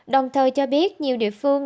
đồng thời cho biết nhiều địa phương